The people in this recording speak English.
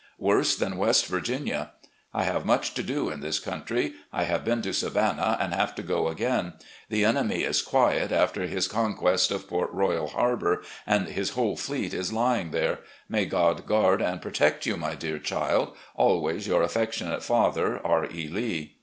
Worse than West Virginia. ... I have much to do in this coimtry. I have been to Savannah and have to go again. The enemy is quiet after his conquest of Port Royal Harbor and his whole fleet is Ijring there. May God guard and protect you, my dear child, prays your "Affectionate father, "R. E. Lee."